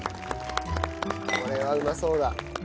これはうまそうだ。